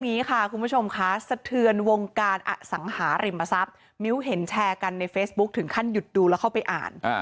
นี้ค่ะคุณผู้ชมค่ะสะเทือนวงการอสังหาริมทรัพย์มิ้วเห็นแชร์กันในเฟซบุ๊คถึงขั้นหยุดดูแล้วเข้าไปอ่าน